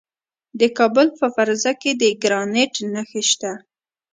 د کابل په فرزه کې د ګرانیټ نښې شته.